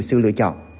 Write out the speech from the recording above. sự lựa chọn